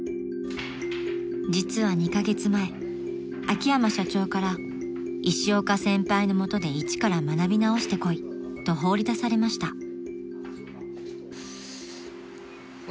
［実は２カ月前秋山社長から「石岡先輩の下で一から学び直してこい」と放り出されました］